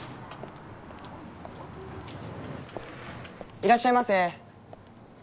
いらっしゃいませ。